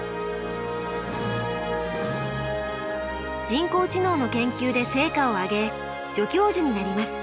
人工知能の研究で成果を上げ助教授になります。